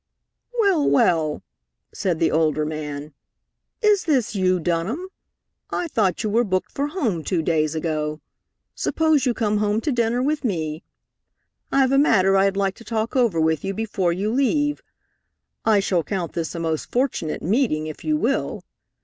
"Well, well!" said the older man. "Is this you, Dunham? I thought you were booked for home two days ago. Suppose you come home to dinner with me. I've a matter I'd like to talk over with you before you leave. I shall count this a most fortunate meeting if you will."